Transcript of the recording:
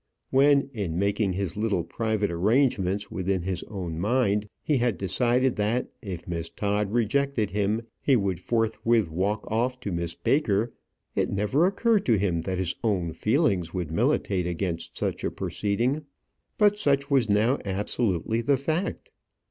When, in making his little private arrangements within his own mind, he had decided that if Miss Todd rejected him he would forthwith walk off to Miss Baker, it never occurred to him that his own feelings would militate against such a proceeding. But such was now absolutely the fact.